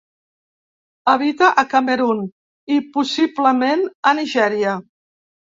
Habita a Camerun i possiblement a Nigèria.